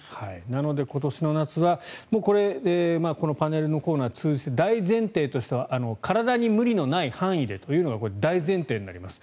なので今年の夏はこれ、このパネルのコーナー大前提としては体に無理のない範囲でというのが大前提になります。